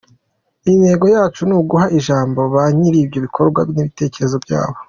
Intego yacu ni uguha ijambo ba nyir’ibikorwa n’ibitekerezo byabo.